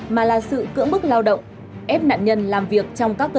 mà là sự cưỡng bức lao động ép nạn nhân làm việc trong các nơi